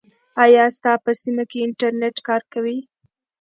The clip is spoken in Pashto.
آیا ستا په سیمه کې انټرنیټ کار کوي؟